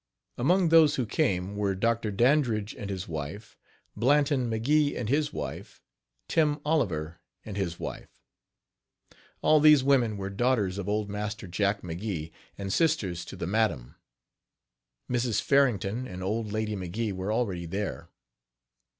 Among those who came were Dr. Dandridge and his wife, Blanton McGee and his wife, Tim Oliver and his wife. All these women were daughters of old Master Jack McGee, and sisters to the madam. Mrs. Farrington and old lady McGee were already there.